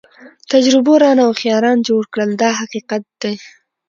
تجربو رانه هوښیاران جوړ کړل دا حقیقت دی.